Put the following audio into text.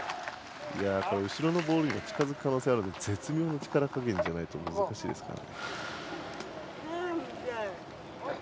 後ろのボールに近づく可能性があるので絶妙な力加減じゃないと難しいですね。